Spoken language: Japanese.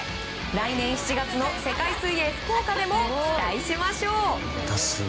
来年７月の世界水泳福岡でも期待しましょう。